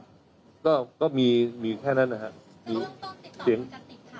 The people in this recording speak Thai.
เรื่องต้นติดต่อคุณกะติกถามเรื่องนี้แล้วใช่ไหมคะอะไรนะครับเรื่องต้นติดต่อคุณกะติกถามเรื่องเสียงปริศนานี้แล้วใช่ไหมคะ